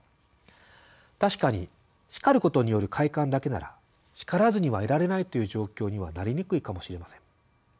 確かに叱ることによる快感だけなら「叱らずにはいられない」という状況にはなりにくいかもしれません。